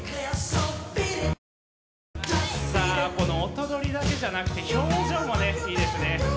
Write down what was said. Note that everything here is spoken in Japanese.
さあこの音取りだけじゃなくて表情もねいいですね。